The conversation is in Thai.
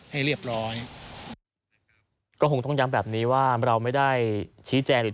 ให้เรียบร้อยก็คงต้องย้ำแบบนี้ว่าเราไม่ได้ชี้แจงหรือ